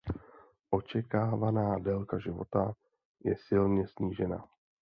Očekávaná délka života je silně snížena.